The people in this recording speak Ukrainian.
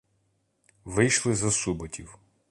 Вийшли за Суботів.